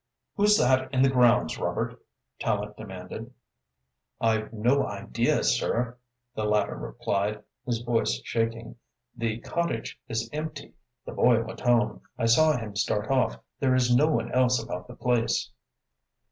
"Who's that in the grounds, Robert?" Tallente demanded. "I've no idea, sir," the latter replied, his voice shaking. "The cottage is empty. The boy went home I saw him start off. There is no one else about the place."